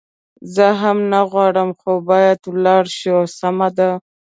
زه هم نه غواړم، خو باید ولاړ شو، سمه ده.